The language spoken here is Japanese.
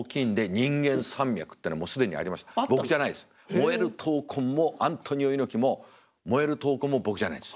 燃える闘魂もアントニオ猪木も燃える闘魂も僕じゃないんです。